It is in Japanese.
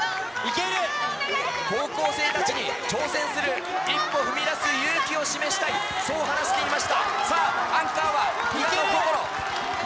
高校生たちに挑戦する、一歩踏み出す勇気を示したい、そう話していました。